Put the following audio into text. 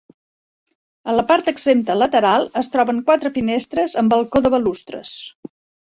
A la part exempta lateral, es troben quatre finestres amb balcó de balustres.